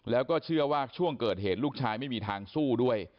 แล้วก็เชื่อว่าช่วงเกิดเหตุลูกชายไม่มีทางสู้ด้วย